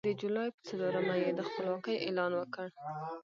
د جولای په څلورمه یې د خپلواکۍ اعلان وکړ.